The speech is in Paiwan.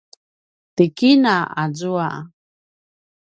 ti kina azua